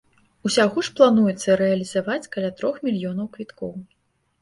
Усяго ж плануецца рэалізаваць каля трох мільёнаў квіткоў.